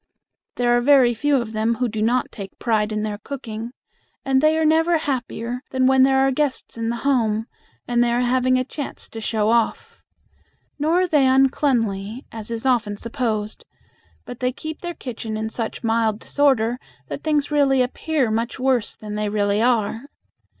There are very few of them who do not take pride in their cooking, and they are never happier than when there are guests in the home and they are having a chance to show off. Nor are they uncleanly, as is often supposed, but they keep their kitchen in such mild disorder that things really appear much worse than they really are.